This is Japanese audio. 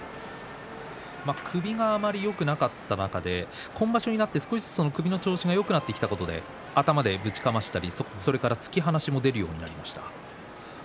首があまりよくなかった中で今場所になって少しずつ首の調子がよくなってきたことで頭でぶちかましたり突き放しも出るようになりました。